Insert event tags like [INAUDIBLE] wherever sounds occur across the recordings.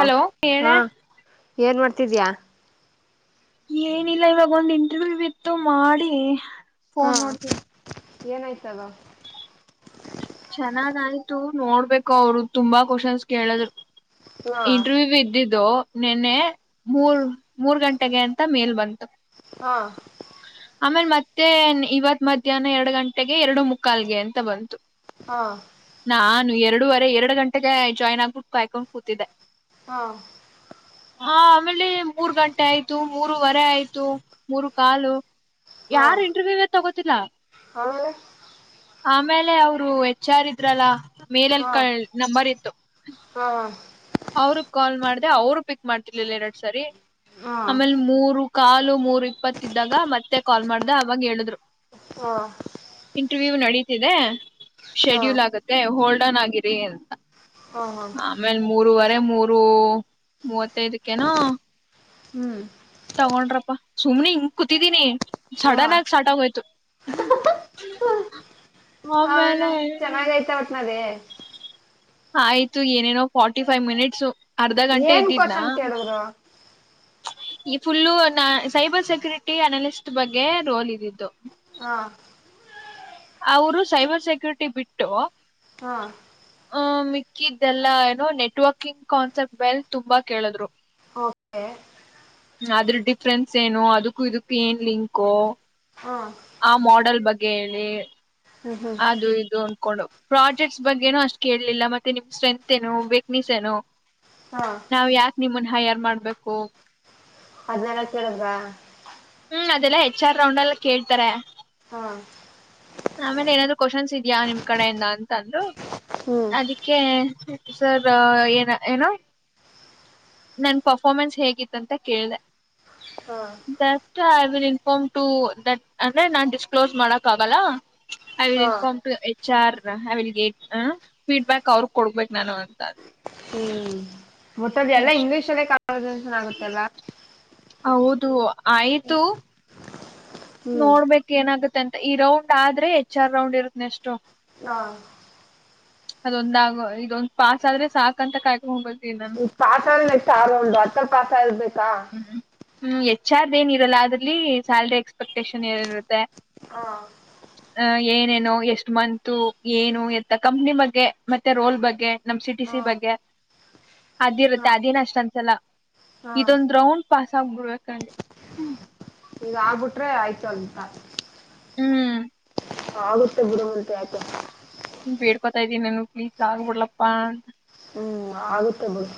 hello ಹೇಳ ಹಾ ಏನ್ ಮಾಡ್ತಿದಿಯ ಏನಿಲ್ಲ ಇವಾಗ ಒಂದ್ ಇಂಟರ್ವ್ಯೂ ಇತ್ತು ಮಾಡಿ ಹಾ ಫೋನ್ ನೋಡ್ತಿದ್ದೆ ಏನಾಯ್ತಲ್ ಚೆನ್ನಾಗಾಯ್ತು ನೋಡ್ಬೇಕು ಅವರು ತುಂಬಾ ಕ್ವಶನ್ಸ್ ಕೇಳಿದ್ರು ಹಾ ಇಂಟರ್ವ್ಯೂ ಇದ್ದಿದ್ದು ನಿನ್ನೆ ಮೂರ್ ಮೂರ್ ಗಂಟೆಗೆ ಅಂತ ಮೇಲ್ ಬಂತು ಹಾ ಆಮೇಲ್ ಮತ್ತೆ ಇವತ್ ಮಧ್ಯಾಹ್ನ ಎರಡು ಗಂಟೆಗೆ ಎರಡು ಮುಕ್ಕಾಲ್ಗೆ ಅಂತ ಬಂತು ಹಾ ನಾನು ಎರಡೂುವರೆ ಎರಡು ಗಂಟೆಗೆ ಜಾಯ್ನ್ ಆಗ್ಬಿಟ್ಟು ಕ್ಕೊಂಡ್ ಕೂತಿದ್ದೆ ಹಾ ಹಾ ಆಮೇಲೆ ಮೂರ್ ಗಂಟೆ ಆಯ್ತು ಮೂರು ವರೆ ಆಯ್ತು ಮೂರು ಕಾಲು ಯಾರ್ ಇಂಟರ್ವ್ಯೂ ತಗೋತಿಲ್ಲಾ ಹಾ ಆಮೇಲೆ ಅವ್ರು ಹೆಚ್ರ್ ಇದ್ರಲ್ಲ ಮೇಲೆಲ್ ಹಾ ಕ ನಂಬರ್ ಇತ್ತು ಹಾ ಅವ್ರಗ್ ಕಾಲ್ ಮಾಡ್ದ ಅವರು ಪಿಕ್ ಮಾಡ್ತಿರ್ಲಿಲ್ಲ ಎರಡು ಸರಿ ಹಾ ಹಾ ಆಮೇಲ್ ಮೂರು ಕಾಲು ಮೂರು ಇಪ್ಪತ್ತಿದ್ದಾಗ ಮತ್ತೆ ಕಾಲ್ ಮಾಡ್ದ ಅವಾಗ ಹೇಳಿದ್ರು ಹಾ ಇಂಟರ್ವ್ಯೂ ನಡೀತಿದೆ ಹಾ ಶೆಡ್ಯೂಲ್ ಆಗತ್ತೆ ಹೋಲ್ಡನ್ ಆಗಿರಿ ಅಂತ ಹ್ಮ ಹ ಆಮೇಲೆ ಮೂರವರೆ ಮೂರು ಮೂವತ್ತೈದಕ್ಕೆನ ಹ್ಮ್ ತಗೊಂಡ್ರಪ್ಪಾ ಸುಮ್ನೆ ಹಿಂಗ್ ಕೂತಿದೀನಿ ಸಡನ್ ಆಗಿ ಸ್ಟಾರ್ಟ ಆಗೋಯ್ತು ಅವ ಆಮೇಲೆ ಚೆನ್ನಾಗೈತ ಒಟ್ನಲ್ಲಿ ಆಯ್ತು ಏನೇನೋ ಫಾರ್ಟಿ ಫೈವ್ ಮಿನಿಟ್ಸ್ ಏನ್ ಕ್ವಶನ್ ಕೇಳಿದ್ರು ಈ ಫುಲ್ಲು ನ ಸೈಬರ್ ಸೆಕ್ಯೂರಿಟಿ ಅನಾಲಿಸ್ಟ್ ಬಗ್ಗೆ ರೋಲ್ ಇದ್ದಿದ್ದು ಹಾ ಅವರು ಸೈಬರ್ ಸೆಕ್ಯೂರಿಟಿ ಬಿಟ್ಟು ಹಾ ಆಹ ಮಿಕ್ಕಿ್ದೆಲ್ಲಾ ಏನೋ ನೆಟ್ವರ್ಕಿಂಗ್ ಕಾನ್ಸೆಪ್ಟ್ ಬೆಲ್ ತುಂಬಾ ಕೇಳಿದ್ರು ಓಕೆ ಅದ್ರ ಡಿಫ್ರೆನ್ಸ್ ಏನು ಅದಕ್ಕೂ ಇದಕ್ಕ ಏನ್ ಲಿಂಕು ಹಾ ಆ ಮಾಡೆಲ್ ಬಗ್ಗೆ ಹೇಳಿ ಹ್ಮ್ ಹ್ಮ್ ಅದು ಇದು ಹೊಂಡು ಪ್ರಾಜೆಕ್ಟ್ಸ್ ಬಗ್ಗೆ ನನು ಅಷ್ಟ್ ಕೇಳಲಿಲ್ಲತ್ತೆ ನಿಮ್ ಸ್ಟ್ರೆಂತ್ ಏನು ವೀಕ್ನೆಸ್ ಏನು ಹಾ ನಾವ್ ಯಾಕ ನಿಮನ್ ಹ ಯಾರಾರ್ ಮಾಡ್ಬೇಕು ಹದ್ನಲ್ಕ್ಕರಲ್ ಹ್ಮ್ ಅದೆಲ್ಲ ಹೆಚ್ ಆರ್ ರೌಂಡ್ ಅಲ್ಲಿ ಕೇಳ್ತಾರೆ ಹ್ಮ ಆಮೇಲೆ ಏನಾದ್ರು ಕ್ವನ್ಸ್ ಇದ್ಯಾಾ ನಿಮ್ ಕಡೆಯಿಂದ ಅಂತ ಅಂದರು ಹ್ಮ್ ಅದ ಸರ್ ಏನ ಏನೋ ನನ್ ಪರ್ಫ್ಮೆನ್ಸ್ ಹೇಗಿತ್ತ ಅಂತ ಕೇಳಿದೆಂತ ಹಾ I will inform to that ಅಂದ್ರೆ ನಾನ್ ಡಿಸ್ಕ್ಲೋಸ್ ಮಾಡಕ್ ಆಗಲ್ಲ ಹಾ ಅ ಚಾರ್ ವಿಲ್ ಗೇಟ್ ಹ ಫೀಡ್ಬ್ಯಾಕ್ ಅವ್ರಗ್ ಕೊಡ್ಬೇಕೇಕ್ ನಾನು ಅಂತ ಹ್ಮ್ ಮೊತ್ತದ ಎಲ್ಲಾ ಅಷ್ಟೆ ಇಂಗ್ಲಿೀಷ್ಲ್ಲೇ ಕನ್ ಆಗುತ್ತೆಲ್ಲ ಹೌದು ಆಯ್ತು ಹ್ಮ್ ನೋಡ್ಬೇಕಕ್ ಏನಾಗತ್ತೆ ಅಂತ ಈ ರೌಂಡ್ ಆದ್ರೆ ಹೆಚ್ ಆರ್ ರೌಂಡ್ ಇರತ್ತನೆಷ್ಟು ಹಾ ಅದೊಂದಾಗ ಇದೊಂದ್ ಪಾಸ್ ಆದ್ರೆ ಸಾಕಕ್ ಅಂತ ಕಾಯ್ಕೊಂಡ್ ಹೋಗತೀಿ ನಾನು ಈ ಪಾತ ಎಷ್ಟ ಆಾರ ಒಂದು ಹತ್ತರ ಪಾತ ಇರ್ಬೇಕಾ ಹ್ಮ್ ಹ್ಮ್ ಹೆಚ್ರ್ ಏನ್ ಇರಲ್ಲ ಅದ್ರಲ್ಲಿ ಸ್ಯಾಲ್ರಿ ಎಕ್ಸ್ಪೆಕ್ಟೇಷನ್ ಏನಿರುತ್ತೆ ಹಾ ಅ ಏನೇನೋ ಎಷ್ಟು ಮಂತು ಏನು ಎತ್ತ ಕಂಪ್ನಿ ಬಗ್ಗೆ ಮತ್ತೆ ರೋಲ್ ಬಗ್ಗೆ ನಮ್ ಸಿ ಟಿ ಹಾ ಸಿ ಬಗ್ಗೆ ಹಾ ಅದುಿರುತ್ತೆ ಅದಿನ ಅಷ್ಟ ಅನ್ಸಲ ಹಾ ಇದೊಂದ ರೌ್ ಪಾಸ್ ಆಬ ಬಿಡ್ಬೇಕೆ ಈಗ ಆಗ್ಬಿಟ್ರೆ ಆಯ್ತು ಉಂತ ಹ್ಮ್ ಆಗುತ್ತೆ ಗುರಮಂತೆ ಯಾಕೆ ಬೇಡ್ಕೋತಾ ಇದ್ದೀಿಾನು ಪ್ಲೀಸ್ ಆಗ್ಬಡ್ಲಪ್ಪಾ ಹ್ಮ್ ಆಗುತ್ತೆ ಬದು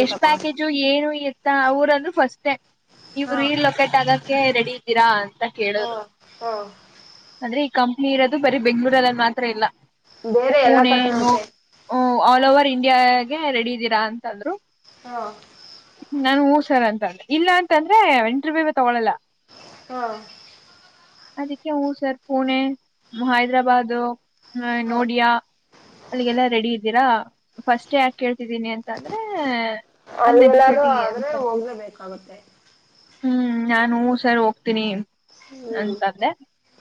ಎಷ್ಟ್ ಪ್ಯಾಕೇಜು ಏನು ಇತ್ತ ಅವರಂದ ಫಸ್ಟೇ ನೀವು್ ಹಾ ರೀ ಲೊಕೇಟ್ ಆಗ ಕೆ ರೆಡಿ ಇದ್ದೀರಾ ಅಂತ ಹಾ ಕೇಳೋರು ಹಾ ಅಂದ್ರೆ ಈ ಕಂಪ್ನಿ ಇರೋದು ಬರೀ ಬೆಂಗ್ಗಳೂರಲ್ಲಲ್ಲಿ ಮಾತ್ರ ಇಲ್ಲ ಬೇರೆ ಎಲ್ಲಾ ಪುಣೆ ನೋ ಕಡೆನಂತೆ ಆಲ್ ಓವರ್ ಇಂಡಿಯಾಗೆ ರೆಡಿ ಇದ್ದೀರಾ ಅಂತಂದ್ರು ಹಾ ನಾನನ್ ಹಊ ಸರ್ ಅಂತ ಇಲ್ಲಾಂತಂದ್ರೆ ಇಂಟರ್ವ್ಯೂ ತಗೊಳಲ್ಲ ಹಾ ಅದಕ್ಕೆ ಹ ಸರ್ ಪುಣೆ ಹೈದ್ರಾಬಾದದು ಹ ಹಾ ನೋಡಿಯಾ ಅಲ್ಲಿಗೆಲ್ಲಾ ರೆಡಿ ಇದ್ದೀರಾ ಫಸ್ಟ್ ಯಾಕೆ ಕೇಳ್ತಿದ್ದೀನಿ ಅಂತ ಅಂದ್ರೆ ಅದ್ ಅಲ್ಲಿ ಎಲ್ಲಾರೂ ನೆಸೆಸಿಟಿ ಆದ್ರೆ ಅಂತ ಹೋಗಲೇಬೇಕಾಗುತ್ತೆ ಹ್ಮ್ ನಾನು ಸರ್ ಹೋಗ್ತೀನಿ ಹ್ಮ್ ಅಂತಂದೆ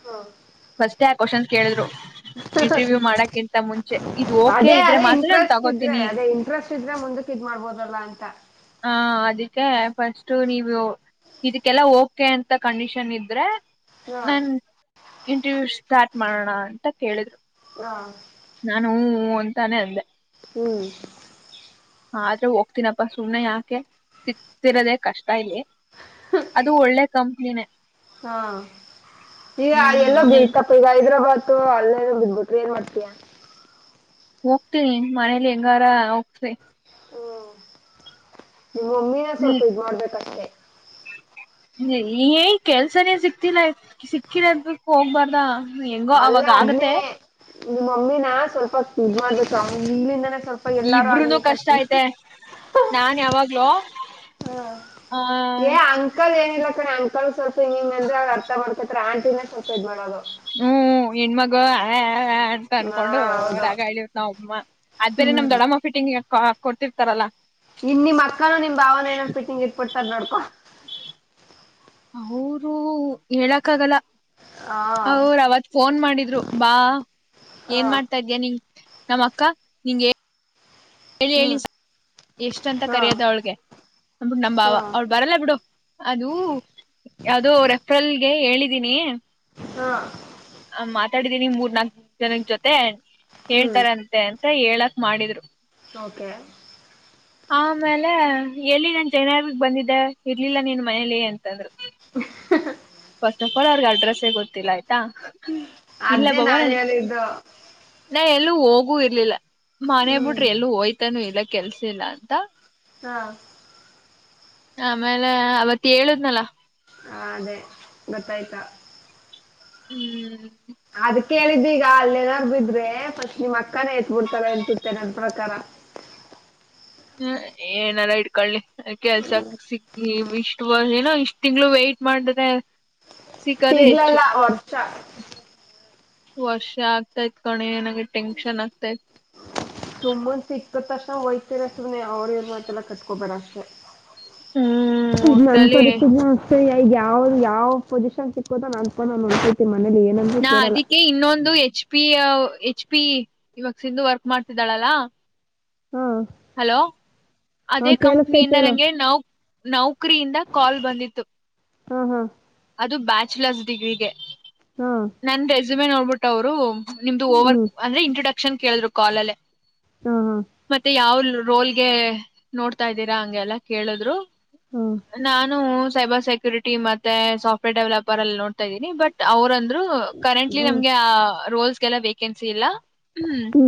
ಹಾ ಫಸ್ಟ್ಆ ಕ್ವಶನ್ ಕೇಳಿದ್ರು ಇಂಟ್ರವ್ಯೂ ಮಾಡಕಿಂತ ಮುಂಚೆ ಇದು ಓಕೆ ಅದೇ ಇದ್ರೆ ಅದೇ ಮಾತ್ರ ನಾನು ಇಂಟ್ರೆಸ್ಟ್ ಇದ್ರೆ ತಗೋತೀನಿ ಅದೇ ಇಂಟ್ರೆಸ್ಟ್ ಇದ್ರೆ ಮುಂದಕ್ ಇದ್ ಮಾಡ್ಬೋದಲ್ಲ ಅಂತ ಹಾ ಅದಕ್ಕೆ ಫಸ್ಟ್ ನೀವು ಇದಕ್ಕೆಲ್ಲ ಓಕೆ ಅಂತ ಕಂಡೀಷನ್ ಇದ್ರೆ ಹಾ ನನ್ ಇಂಟ್ರವ್ಯೂ ಸ್ಟಾರ್ಟ್ ಮಾಡೋಣ ಅಂತ ಕೇಳಿದ್ರು ಹಾ ನಾನು ಹ್ಮ್ ಹ್ಮ್ ಅಂತಾನೇ ಅಂದೆ ಹ್ಮ್ ಆದ್ರೆ ಹೋಗ್ತೀನಪ್ಪಾ ಸುಮ್ಮನೆ ಯಾಕೆ ಸಿಕ್ಕತಿರದೆೇ ಕಷ್ಟ ಇಲ್ಲಿ ಅದು ಒಳ್ಳೆ ಕಂಪ್ನಿನೇ ಹಾ ಈಗ ಎಲ್ಲ ಹ್ಮ್ ಬೀಳ್ತ ಈಗ ಹೈದ್ರಾಬಾತು ಅಲ್ಲೇಲೋ ಬಿದ್ದ ಬಿಟ್ರೆ ಏನ್ ಮಾಡ್ತೀಯಾ ಹೋಗ್ತೀನಿ ಮನೇಲಿ ಹೆಂಗಾರ ಒಪ್ಸಿ ಹ್ಮ ನಿಮ್ಮ ಮಮ್ಮಿನೆ ಸ್ವಲ್ಪ ಇದ್ ಮಾಡ್ಬೇಕ ಅಷ್ಟೇ ಏ ಕೆಲ್ಸನೇ ಸಿಕ್ತಿಲ್ಲ ಸಿಕ್ಕಿರದಕ ಹೋಗ್ಬಾರ್ದ ಹ್ಮ ಹೆಂಗೋ ಅವಾಗ ಆಗತ್ತೆ ನಿಮ್ಮ ಮಮ್ಮಿನ ಸ್ವಲ್ಪ ಕಿದ ಮಾಡಬೇಕ ನೀನಲಿಂದನೆ ಸ್ವಲ್ಪ ಎಲ್ಲಾರು ಆಗ್ಲಿ ಇಬ್ರೂನು ಕಷ್ಟ ಕರ್ಕೊಂಡು ಐತೆ ನಾನ ಯಾವಾಗ್ಲೂ ಹಾ ಆ ಏ ಅಂಕ ಅಂಕಲ್ ಏನಿಲ್ಲ ಕಣೆ ಅಂಕಲ್ ಸ್ವಲ್ಪ ಹಿಂಗಂಗ ಅಂದ್ರೆ ಅವರ ಅರ್ಥ ಮಾಡ್ಕೂತಾರೆ ಆಂಟಿನ ಸ್ವಲ್ಪ ಇದ್ ಮಾಡೋದು ಹ್ಮ್ ಹೆಣ್ಮಗ ಹಾ ಹಾ ಹಾ ಅನ್ಕೊಂಡು ಹೌದು ರಾಗ ಎಳಿಯುತ್ ನಮ್ಮಮ ಅದ ಬೇರೆ ನಮ್ಮ ಹ್ಮ್ ದೊಡಮ್ಮ ಫಿಟಿಂಗ್ ಹಾಕಕೊಡ್ತಿರ್ತಾರಲ್ಲಾ ಇನ್ ನಿಮ್ಮ ಅಕ್ಕಾನು ನಿಮ್ಮ ಭಾವನು ಏನ್ ಪಿಟ್ಟಂಗ ಇಟ್ಬಿಡತ್ತಾರ ನೋಡ್ಕೋ ಹೌದು ಹೇಳಕ್ ಆಗಲ್ಲ ಹಾ ಅವರ ಅವತ್ ಫೋನ್ ಮಾಡಿದ್ರು ಬಾ ಹಾ ಏನ್ ಮಾಡ್ತಾ ಇದ್ಯಾ ನೀ ನಮ್ಮ ಅಕ್ಕ ನಿ ಹೇಳಿ ಹೇಳಿ ಹ್ಮ್ ಎಷ್ಟ ಅಂತ ಹಾ ಕರಿಯದ ಅವಳಗೆ ಅಂದ್ಬಿಟ ನಮ್ಮ ಬಾವ ಹಾ ಅವ ಬರಲ್ಲ ಬಿಡು ಅದು ಯಾವುದೋ ರೆಫ್ರಲ್ಗೆ ಹೇಳಿದೀನಿ ಹಾ ಹ ಮಾತಾಡಿದೀನಿ ಮೂರ್ ನಾಕ್ ಜನದ ಜೊತೆ ಹ್ಮ್ ಹೇಳ್ತಾರಂತೆ ಅಂತ ಹೇಳಕ್ ಮಾಡಿದ್ರು ಓಕೆ ಆಮೇಲೆ ಎಲ್ಲಿ ನಾನ್ ಜಯನಗರಗ ಬಂದಿದ್ದೆ ಇರ್ಲಿಲ್ಲ ನೀನ್ ಮನೇಲಿ ಅಂತಂದ್ರು ಹ ಹ ಫಸ್ಟ್ ಆಫ್ ಆಲ್ ಅವ್ರಗ್ ಅಡ್ರೆಸ್ಸೇ ಗೊತ್ತಿಲ್ಲ ಆಯ್ತಾ ಇಲ್ಲ ಅದ್ನೇ ಬಾವ ನ ನಾನು ಹೇಳಿದ್ದು ನಾ ಎಲ್ಲೂ ಹೋಗು ಇರ್ಲಿಲ್ಲ ಮನೆ ಹ್ಮ್ ಬೂಟ್ರ ಎಲ್ಲೂ ಹೋಯ್ತಾನೂ ಇಲ್ಲ ಕೆಲ್ಸ ಇಲ್ಲ ಅಂತ ಹಾ ಆಮೇಲೆ ಅವತ್ ಹೇಳದ್ನಲ ಹ ಅದೇ ಗೊತ್ತಾಯ್ತಾ ಹ್ಮ್ ಅದಕ್ಕೆ ಹೇಳಿದ್ದೀಗ ಅಲ್ಲೇನಾದಾರು ಬಿದ್ರೆ ಪಸ್ಟ್ ನಿಮ್ ಅಕ್ಕಾನ ಎತ್ಬಿಡ್ತಾರೆ ಅನ್ಸುತ್ತೆ ನನ್ ಪ್ರಕಾರ ಹ್ಮ ಏನಾರ ಇಟ್ಕೊಳ್ಳಿ ಕೆಲ್ಸಕ್ ಸಿಕ್ಕಿ ಇಷ್ಟು ಏನ ಇಷ್ಟ್ ತಿಂಗಳು ವೇಟ್ ಮಾಡದೆ ಸಿಗದೇ ಹೆಚ್ಚು ಸಿಗ್ಲಲ್ಲ ವರ್ಷ ವರ್ಷ ಆಗತೈತ್ ಕಣೆ ನನಗೆ ಟೆನ್ಶನ್ ಆಗ್ತೈತ್ ಸುಮ್ಮುನ್ ಸಿಕ್ಕದ ತಕ್ಷಣ ಹೋಯ್ತರಿದ ಸುಮ್ನೆ ಅವರ ಇವರ ಮಾತೆಲ್ಲ ಕಟ್ಕೊಬೇಡ ಅಷ್ಟೆ ಹ್ಮ್ ಈಗ ನನ್ ಒಟ್ಟಲ್ಲಿ ಪರಿಸ್ಥಿತಿ [UNINTELLIGIBLE] ಸರಿ ಈಗ ಯಾವ್ದ ಯಾವ ಪೊಸಿಷನ್ ಸಿಕ್ಕದರು ನನ್ನ ಪಾಡಿಗ ನಾನು ಹೊಂಟಯ್ತೀನಿ ಮನೇಲಿ ಏನು ನಾ ಅದಿಕ್ಕೆ ಇನ್ನೊಂದು ಹೆಚ್ ಪಿ ಹೆಚ್ ಪಿ ಇವಾಗ ಸಿಂಧೂ ವರ್ಕ್ ಮಾಡ್ತಿದ್ದಾಳಲ್ಲಾ ಹಾ ಹಲೋ ಹಾ ಅದೇ ಕೇಳಿಸತೈತ್ ಕಂಪ್ನಿಯಿಂದ ಹೇಳು ನಂಗೆ ನೌ ನೌಕರಿಯಿಂದ ಕಾಲ್ ಬಂದಿತ್ತು ಹಾ ಹಾ ಅದು ಬ್ಯಾಚುಲರ್ಸ್ ಡಿಗ್ರಿಗೆ ಹಾ ನನ್ ರೆಸುಮೆ ನೋಡ್ಬಿಟ್ಟ ಅವ್ರು ನಿಮ್ದು ಓವರ್ ಹ್ಮ್ ಅಂದ್ರೆ ಇಂಟ್ರೊಡಕ್ಷನ್ ಕೇಳಿದ್ರು ಕಾಲ್ ಲ್ಲಿ ಹಾ ಹಾ ಮತ್ತೆ ಯಾವ್ ರೋಲ್ಗೆ ನೋಡ್ತಾ ಇದ್ದೀರಾ ಹಂಗೆಲ್ಲಾ ಕೇಳಿದ್ರು ಹಾ ನಾನು ಸೈಬರ್ ಸೆಕ್ಯೂರಿಟಿ ಟಿ ಮತ್ತೆ ಸಾಫ್ಟ್ವೇರ್ ಡೆವಲಪರ್ ಅಲ್ಲಿ ನೋಡ್ತಾ ಇದೀನಿ ಬಟ್ ಅವ್ರ ಅಂದ್ರರು ಹ್ಮ್ ಕರೆಂಟ್ಲಿ ಹ್ಮ್ ನಮ್ಗೆ ಆ ರೋಲ್ಸ್ ಗೆಲ್ಲ ವೇಕೆನ್ಸಿ ಇಲ್ಲ ಹ್ಮ್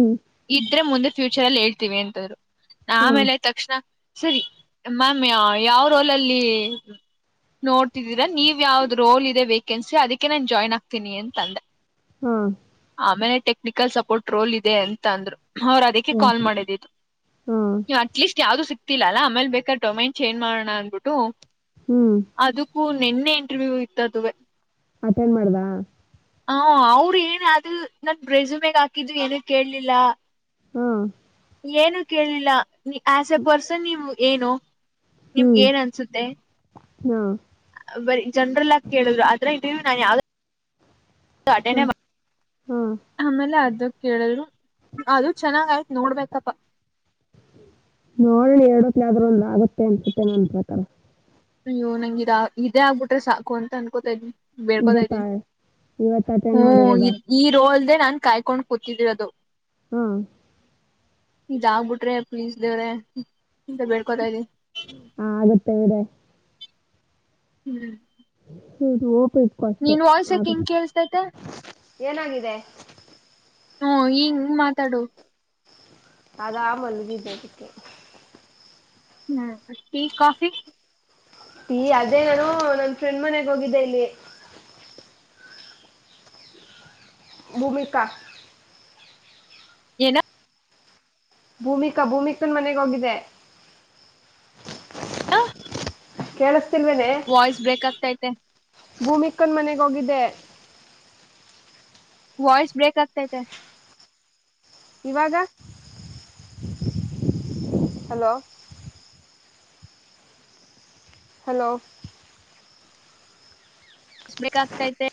ಇದ್ರೆ ಮುಂದೆ ಫ್ಯೂಚರ್ ಅಲ್ಲಿ ಹೇಳ್ತೀವಿ ಅಂದರು ಹಾಂ ಆಮೇಲೆ ತಕ್ಷಣ ಸರಿ ಮ್ಯಾಮ್ ಯಾವ ರೋಲಲ್ಲಿ ನೋಡ್ತಿದ್ದೀರ ನೀವ ಯಾವ್ದ ರೋಲ್ ಇದೆ ವೇಕೆನ್ಸಿ ಅದಕ್ಕೆ ನೆ ಜಾಯ್ನ್ ಆಗ್ತೀನಿ ಅಂತಂದೆ ಹಾ ಆಮೇಲೆ ಟೆಕ್ನಿಕಲ್ ಸಪೋರ್ಟ್ ರೋಲ್ ಇದೆ ಅಂತ ಅಂದ್ರು ಅವರು ಅದಕ್ಕೆ ಕಾಲ್ ಓಕೆ ಮಾಡಿದ್ದಿದ್ದು ಹಾಂ ಅಟ್ ಲೀಸ್ಟ್ ಯಾವ್ದು ಸಿಕ್ತಿಲ್ಲ ಅಲ್ಲಾ ಆಮೇಲೆ ಬೇಕಾದ ಟೊಮೆನ್ ಚೇಂಜ್ ಮಾಡೋಣ ಅಂದಬಿಟ್ಟು ಹ್ಮ್ ಅದಕ್ಕೂ ನಿನ್ನೆ ಇಂಟರ್ವ್ಯೂ ಇತ್ತದ ಅದುವೇ ಅಟೆಂಡ್ ಮಾಡ್ದಾ ಹ ಅವ್ರ ಏನ್ ಅದು ನನ್ ರೆಸುಮ್ಯಾಗ ಹಾಕಿದು ಏನಕ್ಕ್ ಕೇಳಲಿಲ್ಲ ಹಾ ಏನು ಕೇಳಲಿಲ್ಲ ಯಾಸ್ ಎ ಪರ್ಸನ್ ನೀವು ಏನು ಹ್ಞೂ ನಿಮ್ಗೆ ಏನ್ ಅನ್ಸುತ್ತೆ ಹಾಂ ಬರಿ ಜನ್ರಲ್ಲಾಗಿ ಕೇಳಿದ್ರು ಅದ್ರ ಇದೀವಿ ನಾನ್ ಯಾವ ಅಟೆಂಡೆ ಹಾಂ ಮಾಡ ಹಾಂ ಆಮೇಲೆ ಅದು ಕೇಳಿದ್ರು ಅದು ಚೆನ್ನಾಗ ಆಯ್ತತ್ ನೋಡ್ಬೇಕಪ್ಪಾ ನೋಡ್ಲಿ ಎರಡತ್ತ ಆದ್ರ ಒಂದು ಆಗುತ್ತೆ ಅನ್ಸುತ್ತೆ ನನ್ನ ಪ್ರಕಾರ ಅಯ್ಯೋ ನಂಗಿದೆ ಇದೇ ಆಗ್ಬಿಟ್ರೆ ಸಾಕು ಅಂತ ಅನ್ಕೋತಾ ಇದ್ವಿ ಬೇಡ್ಕೊತ ಇವತ್ತು ಇದ್ದೀನಿ ಇವತ್ತು ಅಟೆಂಡ್ ಹ್ಮ್ ಮಾಡಿರೋದಾ ಈ ರೋಲ್ದೆ ನಾನ್ ಕಾಯ್ಕೊಂಡ್ ಕೂತಿದ್ದೀರ ಅದು ಹ್ಮ್ ಇದ ಆಗ್ಬಿಟ್ರೆ ಪ್ಲೀಸ್ ದೇವ್ರೆ ಅಂತ ಬೇಡ್ಕೊತಾ ಇದಿನಿ ಹಾ ಆಗುತ್ತ [UNINTELLIGIBLE] ಹ್ಮ್ ನಿನ್ ವಾಯ್ಸ್ ಯಾಕ್ ಹಿಂಗ್ [UNINTELLIGIBLE] ಕೇಳ್ಸ್ತೈತೆ ಏನಾಗಿದೆ ಹ್ಮ ಹಿಂಗ ಮಾತಾಡು ಅದಾ ಮಲ್ಲಗಿದ್ದೆ ಅದಕ್ಕೆ ಟಿ ಕಾಫಿ ಟಿ ಅದೇ ನಾನು ನನ್ ಫ್ರೆಂಡ್ ಮನೆಗ್ ಹೋಗಿದ್ದೆ ಇಲ್ಲಿ ಭೂಮಿಕಾ ಏನ ಭೂಮಿಕಾ ಭೂಮಿಕಾನ್ ಮನೆಗೆ ಹೋಗಿದೆ ಕೇಳಿಸತಿಲ್ವೇನೆೇ ವಾಯ್ಸ್ ಬ್ರೇಕ್ ಆಗ್ತೈತೆ ಭೂಮಿಕ ನ ಮನೆಗೆ ಹೋಗಿದೆ ವಾಯ್ಸ್ ಬ್ರೇಕ್ ಆಗ್ತೈತೆ ಇವಾಗ ಹಲೋ ಹಲೋ [UNINTELLIGIBLE] ಬೇಕಾಗ್ತೈತೆ